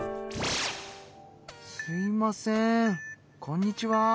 すいませんこんにちは。